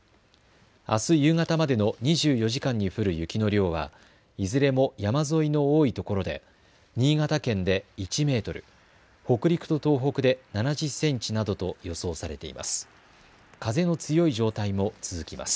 あす夕方までの２４時間に降る雪の量はいずれも山沿いの多いところで新潟県で１メートル、北陸と東北で７０センチなどと予想されています。